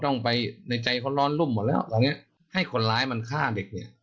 ในใจเขาร้อนรุ่มหมดแล้วให้คนร้ายมันฆ่าเด็ก